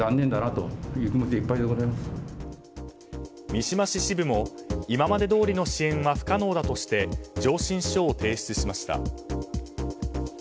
三島市支部も今までどおりの支援は不可能だとして上申書を提出しました。